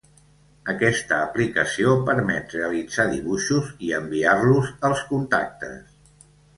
Aquesta aplicació permet realitzar dibuixos i enviar-los als contactes.